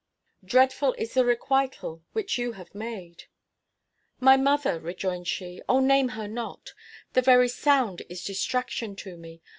Dreadful is the requital which you have made." "My mother," rejoined she, "O, name her not! The very sound is distraction to me.